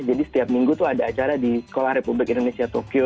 jadi setiap minggu tuh ada acara di sekolah republik indonesia tokyo